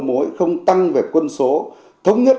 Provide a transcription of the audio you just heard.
mối không tăng về quân số thống nhất